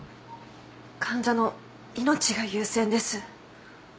患者の命が優先です。